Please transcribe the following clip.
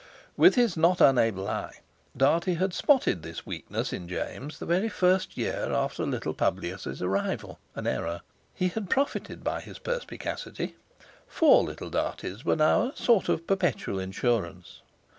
With his not unable eye Dartie had spotted this weakness in James the very first year after little Publius's arrival (an error); he had profited by his perspicacity. Four little Darties were now a sort of perpetual insurance.